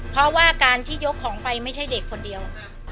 เพราะว่าการที่ยกของไปไม่ใช่เด็กคนเดียว